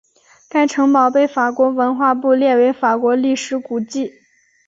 该城堡被法国文化部列为法国历史古迹。